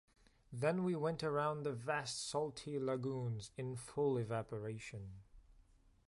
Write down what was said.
Then we went around the vast salty lagoons, in full evaporation.